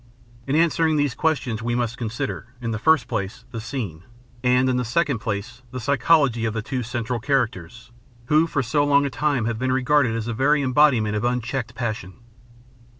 In answering these questions we must consider, in the first place, the scene, and, in the second place, the psychology of the two central characters who for so long a time have been regarded as the very embodiment of unchecked passion.